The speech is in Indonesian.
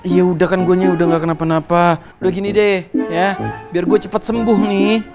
yaudah kan gue udah gak kenapa napa udah gini deh biar gue cepet sembuh nih